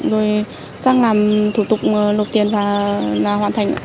rồi sang làm thủ tục nộp tiền và hoàn thành